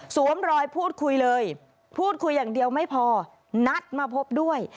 รอยพูดคุยเลยพูดคุยอย่างเดียวไม่พอนัดมาพบด้วย